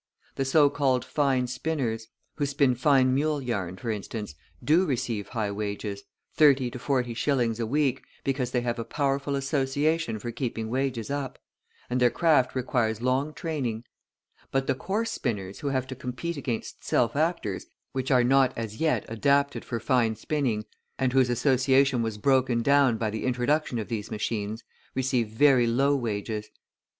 The so called fine spinners (who spin fine mule yarn), for instance, do receive high wages, thirty to forty shillings a week, because they have a powerful association for keeping wages up, and their craft requires long training; but the coarse spinners who have to compete against self actors (which are not as yet adapted for fine spinning), and whose association was broken down by the introduction of these machines, receive very low wages.